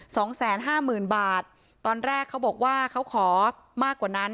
สองแสนห้าหมื่นบาทตอนแรกเขาบอกว่าเขาขอมากกว่านั้น